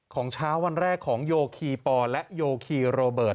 เช้าวันแรกของโยคีปอและโยคีโรเบิร์ต